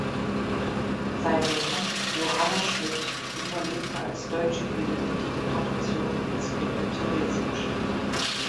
Seine Mutter, Johanna Schmidt, überlebte als deutsche Jüdin die Deportation ins Ghetto Theresienstadt.